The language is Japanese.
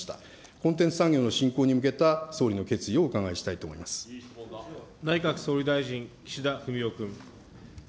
コンテンツ産業の振興に向けた総理の決意をお伺いしたいと思いま内閣総理大臣、岸田文雄君。